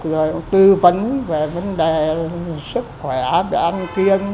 rồi tư vấn về vấn đề sức khỏe về an kiên